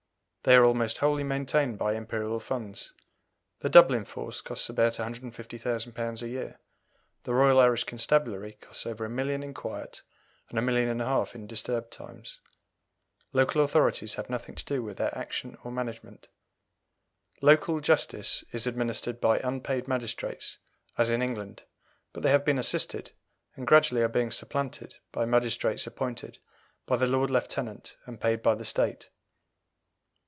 They are almost wholly maintained by Imperial funds. The Dublin force costs about £150,000 a year. The Royal Irish Constabulary costs over a million in quiet, and a million and a half in disturbed times. Local authorities have nothing to do with their action or management. Local justice is administered by unpaid magistrates as in England, but they have been assisted, and gradually are being supplanted, by magistrates appointed by the Lord Lieutenant and paid by the State.